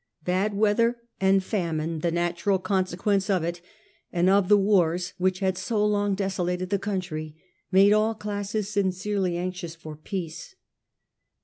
Bad weather, and famine, the natural consequence of it, and of the wars which had so long desolated the country, made all classes sincerely anxious for peace.